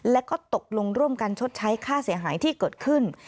และก็ตกลงร่วมกันชดใช้ค่าเสียหายที่เกิดขึ้น